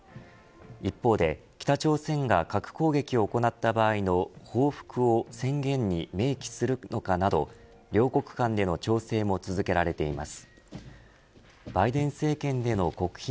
一方で、北朝鮮が核攻撃を行った場合の報復を宣言に明記するかなど両国間での調整も続けられています。